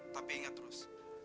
tapi ingat terus